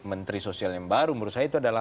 menteri sosial yang baru menurut saya itu adalah